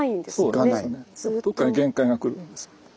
どっかに限界がくるんです。